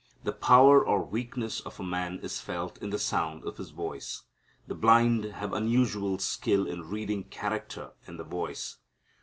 The power or weakness of a man is felt in the sound of his voice. The blind have unusual skill in reading character in the voice.